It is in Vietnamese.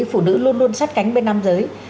phụ nữ luôn luôn sát cánh bên nam giới